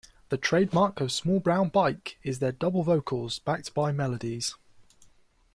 The trademark of Small Brown Bike is their "double vocals" backed by melodies.